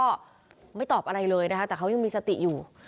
ก็ไม่ตอบอะไรเลยนะคะแต่เขายังมีสติอยู่